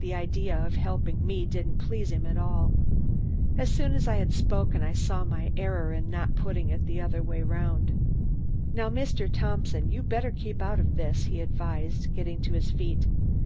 The idea of helping me didn't please him at all. As soon as I had spoken I saw my error in not putting it the other way around. "Now, Mr. Thompson, you better keep out of this," he advised, getting to his feet.